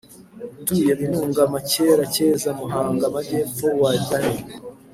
utuye Binunga Makera Cyeza Muhanga Amajyepfo wajyahe